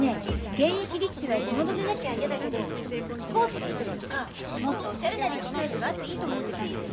現役力士は着物でなきゃ嫌だけどスポーツする時とかもっとおしゃれな力士サイズがあっていいと思ってたんです。